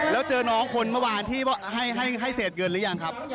แล้วเจอน้องคนเมื่อวานที่ให้เศษเงินหรือยังครับ